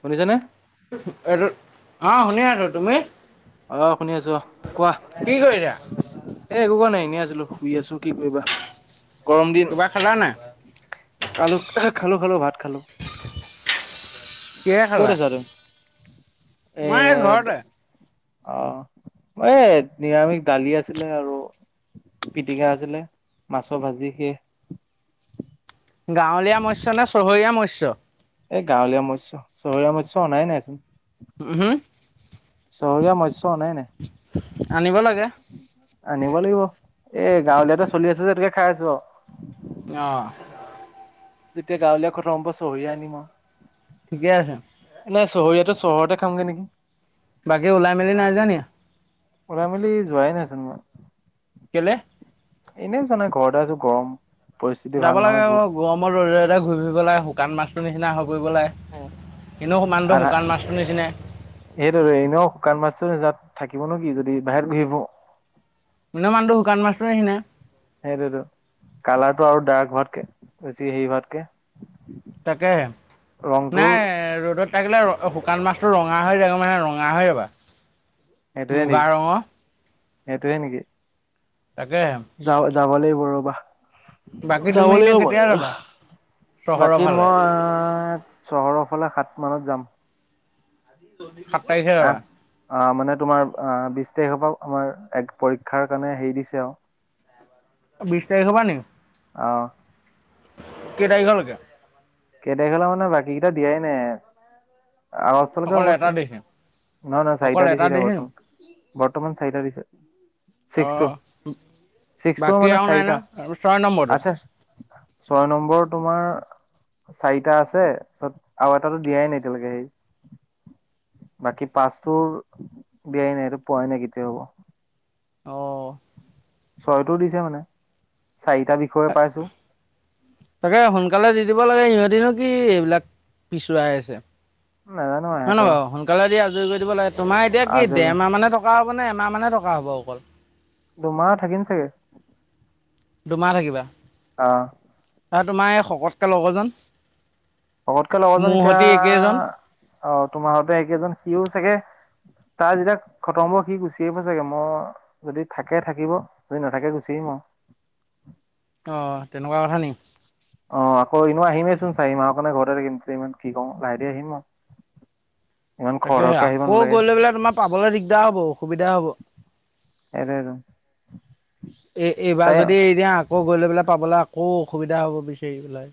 শুনিছানে? টো অ শুনি আছো তুমি আহ, শুনি আছো অহ কোৱা কি কৰিছা এ একো কৰা নাই এনে আছিলো শুই আছো কি কৰিবা। গৰম দিন কিবা খালা নাই? খালো খালো খালো ভাত খালো। কিহে ক'ত খালা? আছা তুমি? এ মই এই ঘৰতে। অ এই নিৰামিষ দালি আছিলে আৰু পিটিকা আছিলে মাছৰ ভাজি সে গাঁৱলীয়া মস্য নে চহৰীয়া মস্য। এই গাঁৱলীয়া মস্য চহৰীয়া মস্য অনা নাই চোন। উম হম চহৰীয়া মস্য অনা নাই। আনিব লাগে। [unintelligible] অ যেতিয়া গাঁৱলীয়া কথা সমম্প চহিয়ে আনিম ঠিকে আছে এনে চহৰীয়াতো চহৰতে খাওঁগে নেকি। বাকী ওলাই মেলি নাই যোৱা নি? ওলাই মেলি যোৱাই নাইচোন মই। কেলে? এনে জানা ঘৰতে আছো গৰম। পৰিস্থিতি যাব ভাল নহয় লাগে বহুত। গৰমত ৰদে -ৰদে ঘূৰি ফুৰিব লাগে শুকান মাছৰ নিচিনা হ'ব ঘূৰিব লগে এনেও সমানটো শুকান মাছটোৰ নিচিনাই সেইটোটো এনেও শুকান মাছ তাত থাকিব নেকি যদি বাহিৰত ঘূৰিব মানে মানুহটো শুকান মাছটো নিচিনা? সেইটোতো কালাৰটো আৰু ডাৰ্ক হোৱাটোকে বেছি হেৰি হোৱাতকে তাকে ৰংটোৰ নাই ৰ'দত থাকিলে শুকান মাছটো ৰঙা হৈ যাব মানে ৰঙা নাভাবিবা সেইটোৱে নেকি মুগা ৰঙৰ সেইটোৱে নেকি তাকে। যা যাব লাগিব ৰ'বা যাব তুমি এনে লাগিব কেতিয়া মইয় যাবা চহৰৰ বাকী ফালে মই চহৰৰ ফালে সাত মানত যাম। [unintelligible] যাবা আহ, অহ মানে তোমাৰ আহ যে সপাও আমাৰ এক পৰীক্ষাৰ কাৰণে হেৰি দিছে আও বিছ তাৰিখৰ পৰা নেকি? অহ কেই তাৰিখলৈকে? কেই তাৰিখলৈকে মানে বাকী কেইটা দিয়াই নাই আগষ্ট লৈকে অকল হ'ব এটা চাগে। তাৰিখে নহয় -নহয় অকল চাৰিটা এটা দিছে এতিয়া তাৰিখে নি বৰ্তমান বৰ্তমান চাৰিটা দিছে। অ ছিক্সটো -ছিক্সটো বাকী মানে আৰু নাই ন চাৰিটা ছয় নম্বৰটো আছে ছয় নম্বৰ তোমাৰ চাৰিটা আছে তাৰ পাছত আৰু এটাতো দিয়াই নাই এতিয়ালৈকে সেই বাকী পাচটো দিয়াই নাই ইটো পোৱাই নাই কেতিয়া হ'ব। অহ ছয়টো দিছে মানে চাৰিটা বিষয়ে পাইছো। তাকে সোনকালে দি দিব লাগে সিহঁতিনো কি এইবিলাক পিছুৱাই আছে। নাজানো হয় নহ ইহঁতৰ বাৰু সোনকালে দিয়া লৈ দিব লাগে তোমাৰ এতিয়া কি আজৰি দেৰ মাহ মানে থকা হ'ব নে এমাহ মানে থকা হ'ব অকল? দুমাহ থাকিম চাগে। দুমাহ থাকিবা? অ ত তোমাৰ এই শকতকে লগৰজন। শকতকে লগৰজন মোৰ এতিয়া সতি একেইজন অহ তোমাৰ হতে একেইজন সিও চাগে তাৰ যেতিয়া খতম হ'ব সি গুচি আহিব চাগে মই যদি থাকে থাকিব যদি নাথাকে গুচি আহিম। আৰু অহ, তেনেকুৱা কথা নি অহ, আকৌ এনে আহিমেইচোন চাৰি মাহৰ কাৰণে ঘৰতে থাকিম কিমান কি কৰুং লাহে দেহি আহিম আও। ইমান তাকে খৰ ধৰকে আহিব আকৌ গৈ নালাগে। লৈ পেলাই তোমাৰ পাবলৈ দিগদাৰ হ'ব অসুবিধা হব সেইটোৱেটো এই এইবাৰ চাই যদি এতিয়া আকৌ গৈ লৈ পেলাই পাবলৈ আকৌ অসুবিধা হ'ব বিচাৰি পেলাই।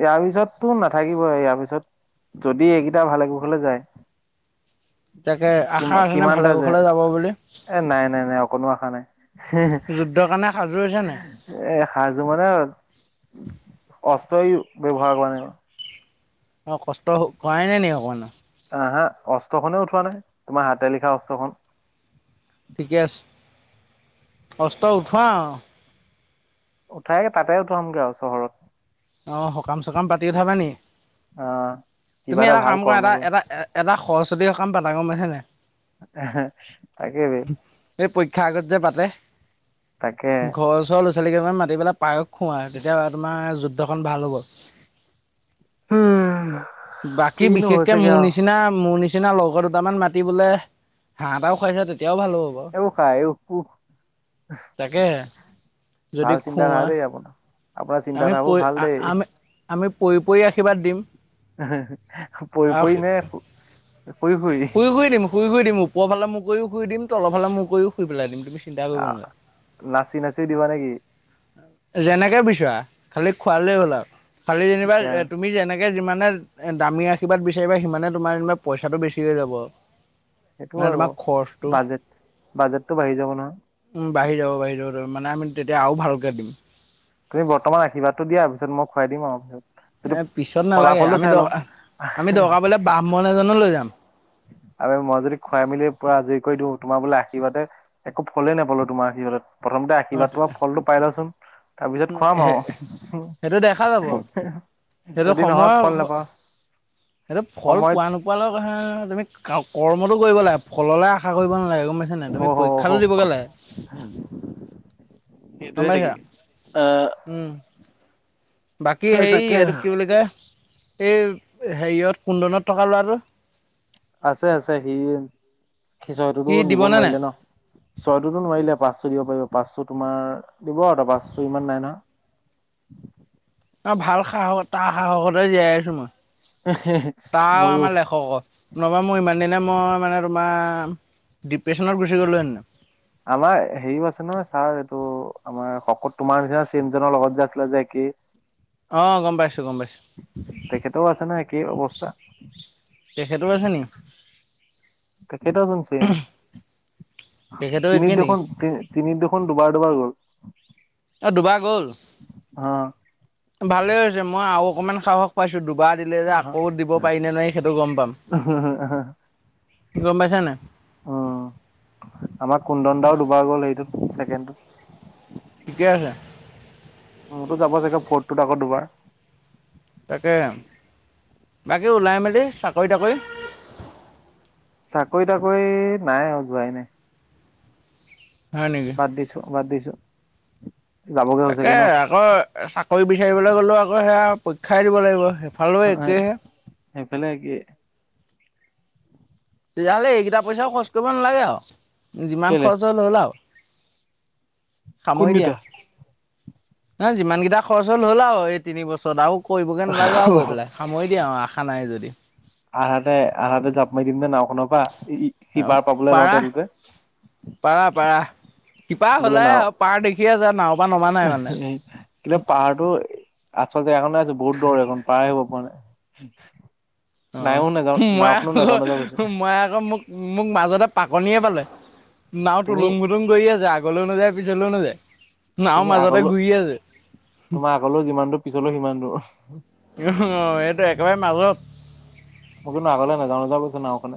ইয়াৰ পিছতটো নাথাকিবই ইয়াৰ পিছত যদি এইকেইটা ভাল কুশলে যায়। তাকে কি আশা আছেনে ভালে কিমানটা যায় কুশলে যাব বুলি। এ নাই নাই নাই অকণো আশা নাই। যুদ্ধৰ কাৰণে সাজু হৈছা নাই? এ অস্ত্ৰও ব্যৱহাৰ কৰা নাই [unintelligible] অহ, কষ্ট কৰাই নাই নি অকমানো। হা- হা অস্ত্ৰ খনে উঠোৱা নাই তোমাৰ হাতে লিখা অস্ত্ৰখন। ঠিকে আছে অষ্ট উঠোৱা। উঠাই তাতে উঠামগে আৰু চহৰত। অঁ সকাম চকাম পাতি উঠাবা নি আহ কিবা তুমি এটা ভাল কাম কৰা কৰ্ম এটা কৰি এটা। এটা সৰস্বতী সকাম পাতা গম পাইছা নাই। তাকেবি এই পৰীক্ষা আগত যে পাতে তাকে ঘৰ চৰ ছল মাতি পেলাই পায়স খোৱাই তেতিয়া তোমাৰ যুদ্ধখন ভাল হ'ব। উম বাকী কিনো বিশেষকে হৈছেগে মোৰ আৰু নিচিনা মোৰ নিচিনা নিচিনা লগৰ দুটামান মাতি বোলে হাঁহ এটাও খুৱাইছে তেতি এ খায় ক তাকে যদি ভাল চিন্তা নহা খুওৱা দেই আপোনাৰ আপোনাৰ চিন্তা আমি ধাৰাবোৰ পৰি ভাল দেই আমি আমি পৰি পৰি আশীৰ্বাদ দিম পৰি আৰু পৰি নে পৰি ফ শুই শুই দিম শুই দিম ওপৰফাল মুখ কৰিও শুই দিম তলফালে মুখ কৰিও শুই পেলাই দিম তমি চিন্তা কৰিব আহ নালগে নাচি নাচি দিবা নেকি যেনেকে বিচাৰা খালি খোৱালেই হ'ল আৰু খালী যেনিবা ঠিকে আৰু তুমি যেনেকৈ যিমান যেনে দামী আশীৰ্বাদ বিচাৰিবা সিমানে তোমাৰ যেনিবা পইচাটো বেছি যাব সেইটো মানে হয় বাৰু তোমাৰ খৰচটো বাজেট বাজেটটো বাঢ়ি যাব নহয় উম বাঢ়ি যাব বাঢ়ি যাব মানে আমি তেতিয়া আৰু ভালকে দিম তুমি বৰ্তমান আশীৰাদটো দিয়া পিছত মই খুৱাই দিম আৰু ভছত এ পিছত নালাগে আমি দকা আমি দকাবলে ব্ৰাহ্মণ এজনো লৈ যাম আৰু মই যদি খুৱাই মেলি প আজৰি কৰি দিওঁ তোমাৰ বোলে আশীৰ্বাদে একো ফলেই নাপালো তোমাৰ আশীৰ্বাদত প্ৰথমতে অ আশীৰ্বাদ তোমাৰ ফলটো পাই লচোন তাৰপিছত খুৱাম সেইটো দেখা যাব আৰু সেইটো যদি নহয় ফল সময় নাপাওঁ সেইটো ফল সময়ত পোৱা নোপোৱালৈ তুমি কৰ্মটো কৰিব লাগে ফললে আশা কৰিব নালাগে গম পাইছা নাই হ তুমি হ হ পৰীক্ষাটো দিব লাগে গম সেইটোৱেই পাইছা নেকি আ উম বাকী হেৰি এইটো কি বুলি কয় এই হেৰিয়ত কুন্দনত থকা লৰাটো আছে আছে সি সি ছয়টোতো দিব দিবনে নাই নোৱাৰিলে ন ছয়টোতো নোৱাৰিলে পাঁচ পাঁচ দিব পাৰিব পাচটো তোমাৰ দিব আৰু তা পাচটো ইমান নাই নহয় অ ভাল সাহস তাৰ সাহসতে জীয়াই আছোঁ তাৰ ময়ো আমাৰ লেখক নবা মোৰ ইমান দিনে মই মানে তোমাৰ ডিপ্ৰেশচনত গুচি গ'লো হেঁতেন। আমাৰ হেৰিও আছে নহয় ছাৰ এইটো আমাৰ শকত তোমাৰ নিচিনা ছেম জনৰ লগত যে আছিলে যে কি অ গম পাইছো গম পাইছো তেখেতেও আছে ন একেই অৱস্থা তেখেতো আছে নি তেখেতৰ চোৱা ছেম তেখেতো একেই তিনিত নেকি দেখোন তিনিত দেখোন দুবাৰ দুবাৰ গ'ল অ দুবাৰ গল হা ভালেই হৈছে মই আৰু অকমান সাহস পাইছো দুব বাৰ দিলে যে আকৌ দিব পাৰি নে নোৱাৰি সেইটো গম পাম গম পাইছা নাই উম আমাৰ কুন্দন দাও দুবাৰ গ'ল হেইটো ছেকেণ্ডটোট ঠিকে আছে মতো যাব চাগে ফৰ্টটোত আকৌ দুবাৰ তাকে বাকী ওলাই মেলি চাকৰি তাকৰি চাকৰি তাকৰি নাই আৰু যোৱাই নাই হয় নেকি? বাদ দিছো বাদ দিছোঁ। তাকে আকৌ চাকৰি বিচাৰিবলৈ গ'লেও আকৌ সেয়া পৰীক্ষাই দিব লাগিব। সেইফালেও অ হয় একেহে। সেইফালেই একেই। তেতিয়াহ'লে এইকেইটা পইছাও খৰচ কৰিব নালাগে আও যিমান কেলে খৰচ হল হ'ল আও সামৰি দিয়া। কোনকেইটা ন যিমান কেইটা খৰচ হ'ল হ'ল আও এই তিনি বছৰত আৰু কৰিবগৈ নালাগে আৰু গৈ পেলাই সামৰি দিয়ে আৰু আশা নাই যদি। আহাতে আহাতে জাপ মাৰি দিম নে নাওঁ। শুনপা সিপাৰ পাবলে লওঁ পাৰা লওঁতে। ইপাৰ বোলে হলাই নাও আৰু পাৰ দেখিয়ে আছে নাওঁ। এ কিন্তু পাহাৰটো আচল। এখনে আছে বহুত দ এখন পাৰে হব পৰা নাই। অ নাইও নাযাও মই নাওখনো আকৌ নাযাও নাযাও কৈছে মই আকৌ মোক মোক মাজতে পাকনিয়ে পালে। নাও তুমি তোলুং ভূতুং কৰি আছে আগলৈও নাযায় পিছলৈও নাযায় নাওঁ তুমি মাজতে আগলৈ ঘূৰি আছে। তোমাৰ আগলৈও যিমান দূৰ পিছলৈও সিমান দূৰ। উ এইটো একেবাৰে মাজত। ম কিন্তু আগালে নেজাও নেজাও নাওঁ খনে।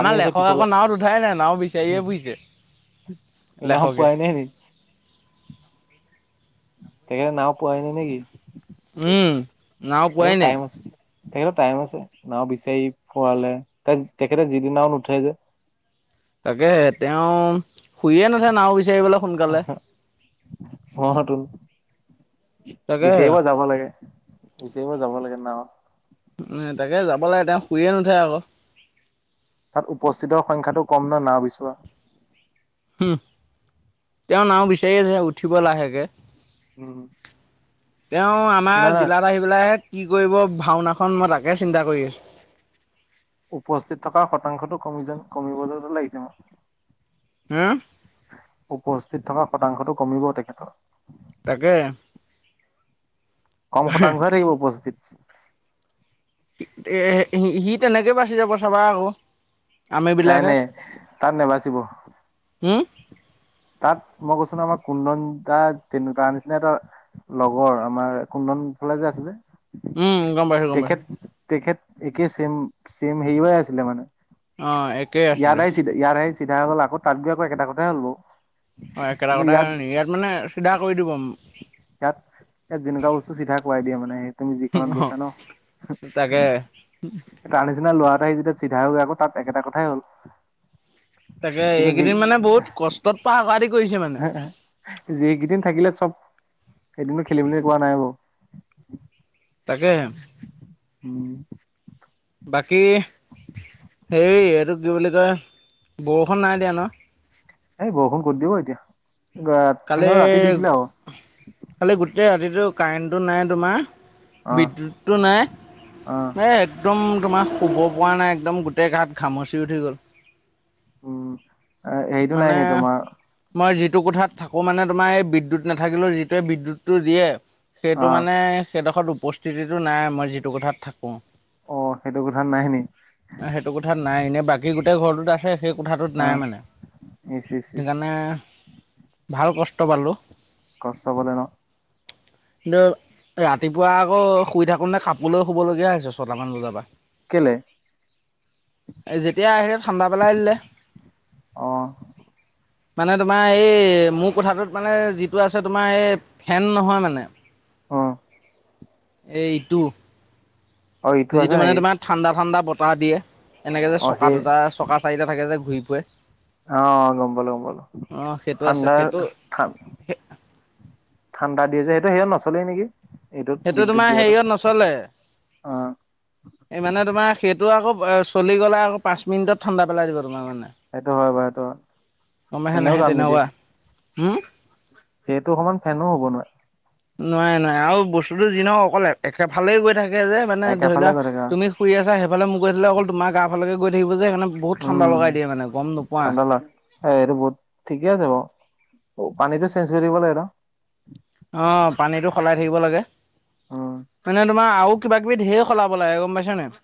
আমাৰ লেখক আকৌ নাওঁত উঠাই নাই নাওঁ বিচাৰিয়ে ফুৰিছে। সেই দিনাখন লেখকে পুৱাই নাই নি। [unintelligible] তেখেতে নাওঁ পোৱাই নাই নেকি। উম নাও তেওঁ পোৱাই নাই টাইম আছে। তেখেতৰ টাইম আছে নাওঁ বিচাৰি ফোৱালে তেখেতে যিদিনাও নুঠে যে। তাকে তেওঁ শুইয়ে নুঠে নাওঁ বি। অ টো। তাকেহে বিচাৰিব যাব লাগে বিচাৰিব যাব লাগে নাওঁ। উম তাকে যাব লাগে তেওঁ শুইয়ে নুঠে আকৌ। তাত উপস্থিতৰ সংখ্যাটো কম ন নাওঁ বিচৰা। উম তেওঁ নাওঁ বিচাৰি আছে উঠিব লাহেকে। উম তেওঁ নাই আমাৰ নাই জিলাত আহি পেলাই কি কৰিব। ভাওনাখন মই তাকে চিন্তা কৰি আছো। উপস্থিত থকা শতাংশটো কমিযেন কমিবযেন হে লাগিছে মু। উমহ। উপস্থিত থকা শতাংশটো কমিব তেখেতৰ। তাকে। কম শতাংশহে থাকিব উপস্থিতি। এ সি সি তেনেকে বাছি যাব চাবা আকৌ। আমি নাই বিলাকে নাই তাত নাবাচিব, উম তাত মই কৈছো আমাক কুন্দন দা তেনোকা তাৰ নিচিনা এটা লগৰ আমাৰ কুন্দন ফালে যে আছে যে। উম গম পাইছোঁ, গম পাইছোঁ। একেই সেম সেম হেই অ আছিলে মানে, অ একেই আছিলে ইয়াতইছিল ইয়াৰছ। চিধা হৈ গ'ল, আকৌ তাত গৈ আকৌ একেটা কথাইে হ'ল বাও। অ একেটা কথাাই হ'ল নি, ইয়াত মানে চিধা কৰি দিব। ইয়াত, ইয়াত যেনেকুৱা বস্তু চিধা কৰাই দিয়ে মানে। মানে তুমি যিখনত গৈছা ন, তাকে সেহ তাৰ নিচিনা লোৱা। যেতিয়া চিধা হৈ গৈ, আকৌ তাত একেটা কথাই হ'ল। তাকে কিন্তু যি, এইকেইদিন মানে বহুত কষ্টত পাৰ কৰা দি কৰিছে মানে হে হ যিকেইদিন থাকিলে চ। এদিনো খেলিমেলি কৱা নাই বাৰু। তাকেহে। উম। বাকী। হেৰি, এইটো কি বুলি কয় বৰষুণ নাই দিয়া ন? এই বৰষুণ ক'ত দিব এতিয়া। কালি, সেইদিনা ৰাতি দিছিলে আৰু কালি গোটেই ৰাতিটো কাৰেণ্টটো নাই তোমাৰ, অ', বিদ্যুৎটো নাই, অ', এ একদম তোমাৰ শুব পৰা নাই একদম গোটেই গাট ঘামুচি উঠি গ'ল। উম। হেৰিটো নাই মানে, নি তোমাৰ মই যিটো কথাত তোমাৰ এই বিদ্যুৎ নাথাকিলেও যিটোৱে বিদ্যুতটো দিয়ে, সেইটো অ', মানে সেইডোখৰ উপস্থিতিটো নাই মই যিটো কোঠাত থাক কো অ', সেইটো কথা নাই নি সেইটো কোঠাত নাই, এনে বাকী গোটেই ঘৰটোত আছে। সেই কোঠাটোত নাই অ', মানে, ইচ ইচ ইচ। সেইকাৰণে ভাল কষ্ট পালো, কষ্ট পালে ন কিন্তু ৰাতিপুৱা আকৌ শুই থাকো নে কাপোৰলৈও শুব লগীয়া হৈছে ছটামান বজাৰ পৰা। কে'লে? এ যেতিয়া আহিলে ঠাণ্ডা পেলাই দিলে। অ', মানে তোমাৰ এই মোৰ কোঠাটোত মানে যিটো আছে, তোমাৰ এই ফেন নহয় মানে। অহ এইটো অ', ইটো আছে যিটো মানে নেকি তোমাৰ ঠাণ্ডা ঠাণ্ডা বতাহ দিয়ে, এনেকে যে অ', চকা সেই দুটা চকা চাৰিটা থাকে যে। ঘূৰি ফুৰে। অ গম পালো গম পালো অ সেইটো আছে ঠাণ্ডা সেইটো ঠা ঠাণ্ডা দিয়ে যে সেইটো সিহঁত নচলেই নেকি? এইটোত সেইটো বিদ্যুৎ তোমাৰ দিয়াটো হেৰিয়ত নচলে, অ', এই মানে তোমাৰ সেইটো আকৌ চলি গ'লে আকৌ পাঁচমিনিট ঠাণ্ডা পেলাই দিব তোমাৰ মানে। সেইটো হয় বাৰু এইটো হয় ফেনেও কাম নিদিয়ে। হম সেইটো সমান ফেনো হ'ব নোৱাৰে। নোৱাৰে নোৱাৰে আৰু বস্তুতো যি নহওক অকলে একেফালে গৈ থাকে। এ য়ে, মানে ধৰি একেফালে লোৱা গৈ থাকে তুমি শুই আছা, সেই ফালে মুৰ কৰি থ'লে অকল তোমাৰ গা ফালেকে গৈ থাকিব। যে সেই খনে বহুত ঠাণ্ডা উম লগাই দিয়ে মানে গম নোপোৱা। ঠাণ্ডা লাগ এ এইটো বহুত, ঠিকে আছে বাৰু, পানীতটো চেঞ্জ কৰি দিব লাগে ন। আহ পানীতটো সলাই থাকিব লাগে। উম মানে তোমাৰ আৰু কিবা কিবি ধঢেৰ সলাব লাগে গম পাইছা নাই।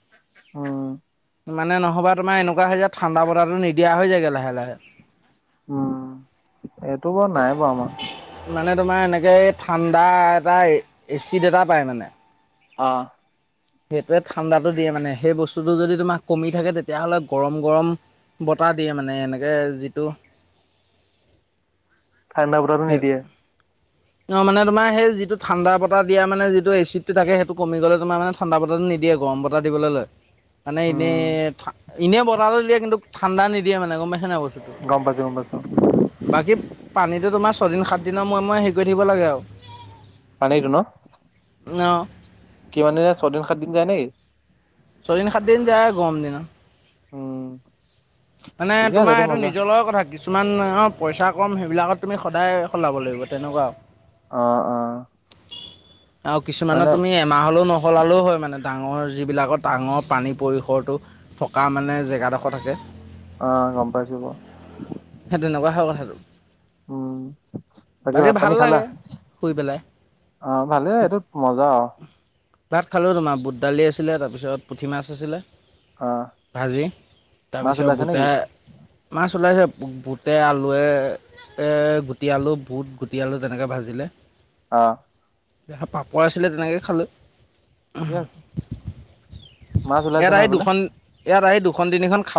হম। মানে নহ'বা তোমাৰ এনেকুৱা হৈ যে ঠাণ্ডা বতাহটো নিদিয়া হৈ যায়ে লাহে লাহে। উম, এইটো বাৰু নাই বাৰু আমাৰ। মানে তোমাৰ এনেকে ঠাণ্ডা এটা এচিড এটা পায় মানে। অ। সেইটোৱে ঠাণ্ডাতটো দিয়ে মানে সেই বস্তুটো যদি তোমাক কমি থাকে তেতিয়াহ'লে গৰম গৰম। বতাহ দিয়ে মানে এনেকে যিটো। ঠাণ্ডা বতাহতো নিদিয়ে অ মানে তোমাৰ সেই যিটো ঠাণ্ডা বতাহ দিয়া মানে এচিড টো থাকে সেইটো কমি গলে তোমাৰ মানে ঠাণ্ডাতাটো নি। দিয়ে গৰম বতাহ দিবলৈ লয়। মানে এনে উম এনেই, বতাহটো দিয়ে কিন্তু ঠাণ্ডা নিদিয়ে মানে গম পাই। গম পাইছো গম পাইছো বাকী পানী। এইটো তোমাৰ ছদিন সাতদিনৰ মোৰে মোৰে হেৰি কৰি থাকিব লাগে আৰু। পানী টো ন অ' কিমান দিনে ছয়দিন সাত দিন যায় নেকি? চদিন সাত দিন যায় গম দিনা। উম। মানে ঠিকে আছে তোমাৰ এইটো সেইটো মজা নিজৰ লগ কথা কিছু। কিছুমান অ পইচা কম সেইবিলাকত তুমি সদায় সলাব লাগিব তেনেকুৱা। অ অ। আৰু মানে কিছুমানৰ তুমি এমাহ হলেও নসলালেও হয় মানে। ডাঙৰ যিবিলাকৰ ডাঙৰ পানী পৰিসৰটো থকা মানে জেগাডোখৰ থাকে। অ গম পাইছো বাৰু। সেই টেনেকুৱা হয় কথাটো। উম বাকী ভাত ভাল পানী খালা লাগে শুই পেলাই। অ ভালেই এইটো মজা আৰু। ভাত খালোঁ তোমাৰ বুট দালি আছিলে তাৰপিছত পুঠি মাছ আছিলে। অ ভাজি মাছ তাৰপিছত ওলাইছে বুটা নেকি মাছ ওলাইছে। বুট আলুৱে এ গুটি আলু বুট গুটি আলু তেনেকে ভাজিলে। অ। পাপৰ আছিলে তেনেকৈ খালোঁ। ঠিকে আছে মাছ ওলাইছে ইয়াত ন আহি সেইফালে দুখন ইয়াত আহি দুখন তিনিখন খাব।